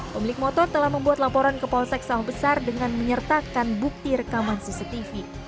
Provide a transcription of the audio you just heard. pemilik motor telah membuat laporan ke polsek sawah besar dengan menyertakan bukti rekaman cctv